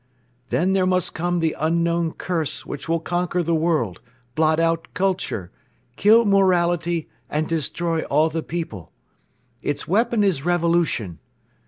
Then there must come the unknown 'Curse' which will conquer the world, blot out culture, kill morality and destroy all the people. Its weapon is revolution.